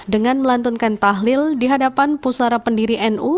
dengan melantunkan tahlil di hadapan pusara pendiri nu